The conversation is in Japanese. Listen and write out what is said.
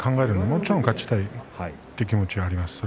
もちろん勝ちたいという気持ちはあります。